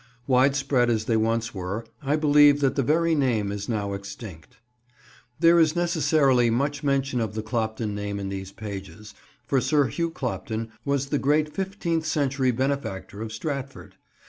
Widespread as they once were, I believe that the very name is now extinct. There is necessarily much mention of the Clopton name in these pages, for Sir Hugh Clopton was the great fifteenth century benefactor of Stratford.